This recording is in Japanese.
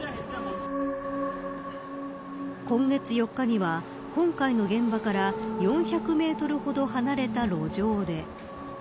今月４日には今回の現場から４００メートルほど離れた路上で。